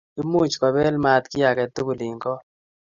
imuchi kobele maaat kiy age tugul eng' koot